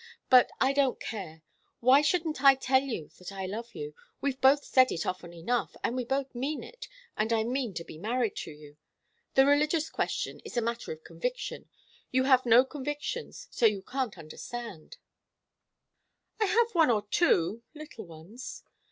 But I don't care. Why shouldn't I tell you that I love you? We've both said it often enough, and we both mean it, and I mean to be married to you. The religious question is a matter of conviction. You have no convictions, so you can't understand " "I have one or two little ones."